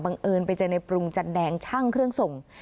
เอิญไปเจอในปรุงจันแดงช่างเครื่องส่ง